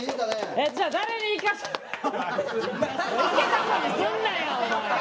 じゃあ誰にいかす。